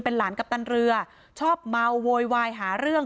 หลานกัปตันเรือชอบเมาโวยวายหาเรื่อง